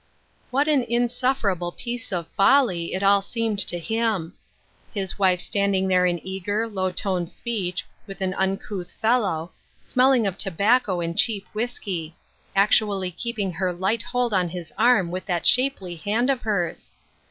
What an insufferable piece of folly it all seemed to him ! His wife standing there in eager, low toned speech with an uncouth fellow, smelling of tobacco and cheap whiskey ; actually keeping her light hold on his arm with that shapely hand of hers